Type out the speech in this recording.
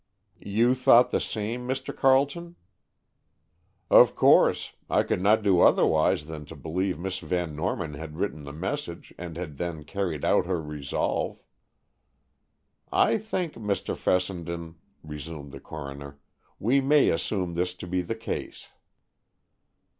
"You thought the same, Mr. Carleton?" "Of course; I could not do otherwise than to believe Miss Van Norman had written the message and had then carried out her resolve." "I think, Mr. Fessenden," resumed the coroner, "we may assume this to be the case."